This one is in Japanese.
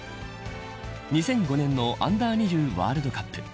２００５年のＵ−２０のワールドカップ